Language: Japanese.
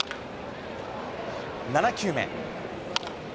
７球目。